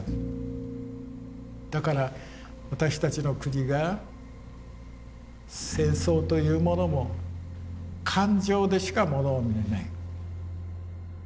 だから私たちの国が戦争というものも感情でしかものを見れない。